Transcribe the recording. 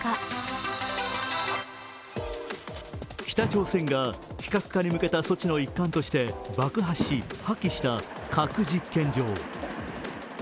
北朝鮮が非核化に向けた措置の一環として爆破し、破棄した核実験場。